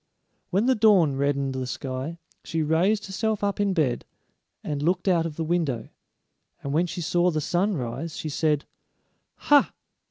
When the dawn reddened the sky, she raised herself up in bed and looked out of the window, and when she saw the sun rise she said: "Ha!